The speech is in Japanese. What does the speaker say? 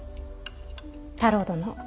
太郎殿。